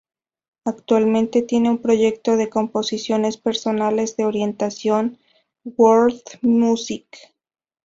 Actualmente tiene un proyecto de composiciones personales de orientación World Music.